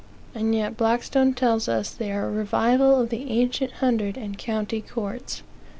And yet Blackstone tells us they are a revival of the ancient hundred and county courts.